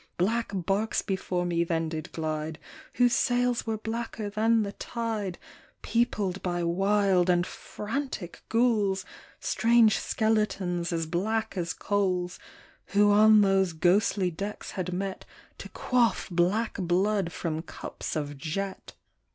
Black barks before me then did glide, Whose sails were blacker than the tide, Peopled by wild and frantic ghouls. Strange skeletons, as black as coals, Who on those ghostly decks had met To quaff black blood from cups of jet.